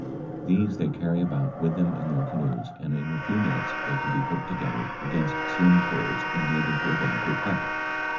These they carry about with them in their canoes, and in a few minutes they can be put together against slim poles and made into a rainproof hut.